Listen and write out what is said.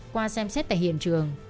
qua xem xét tại hiện trường